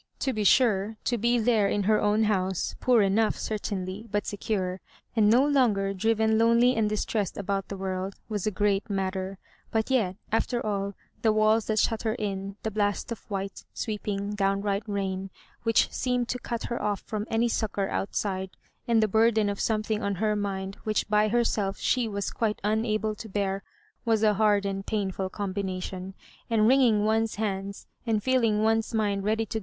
To be sure, to be there in her own house, poor enough certainly, but secure, and no longer driven lonely and distressed about the world, was a great matter. But yet» after all, the walls that shut her in, the blast of white, sweeping, downright rain, which seemed to cut her off from any succour outside, and the burden of something on her mind which by herself she was quite unable to bear, was a hard and painful combination ; and wringing one's hands, and feeling one's mind ready to gi?